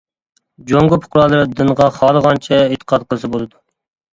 جۇڭگو پۇقرالىرى دىنغا خالىغانچە ئېتىقاد قىلسا بولىدۇ.